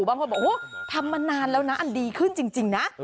บางคนบอกทำมานานแล้วนะอันดีขึ้นจริงนะ